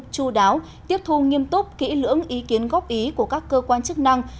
chu đáo tiếp thu nghiêm túc kỹ lưỡng ý kiến góp ý của các cơ quan chức năng